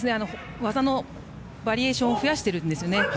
技のバリエーションを増やしているんですよね。